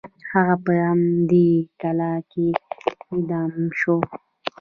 هغه په همدې کلا کې اعدام شو.